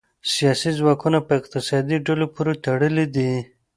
سیاسي ځواکونه په اقتصادي ډلو پورې تړلي دي